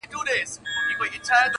په اتڼ به سي ور ګډ د څڼورو-